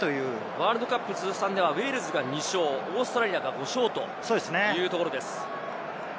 ワールドカップ通算ではウェールズが２勝、オーストラリアが５勝というところです。